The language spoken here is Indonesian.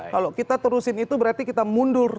kalau kita terusin itu berarti kita mundur